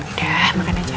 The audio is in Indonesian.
udah makan aja